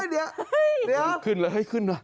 เออเดี๋ยวเดี๋ยวขึ้นเลยขึ้นล่ะ